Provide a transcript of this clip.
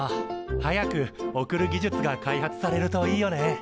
早く送る技術が開発されるといいよね。